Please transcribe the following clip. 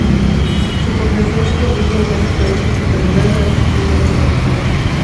Su población se dedica en casi toda su totalidad a las actividades agrícolas.